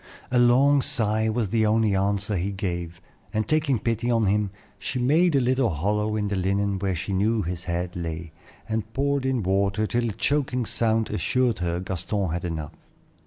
A long sigh was the only answer he gave, and taking pity on him, she made a little hollow in the linen where she knew his head lay, and poured in water till a choking sound assured her Gaston had enough.